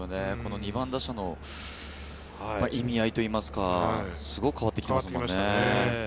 ２番打者の意味合いというか、すごい変わってきていますよね。